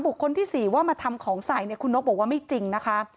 บุคคลที่สี่ว่ามาทำของใสคุณนกบอกว่าไม่จริงนะคะ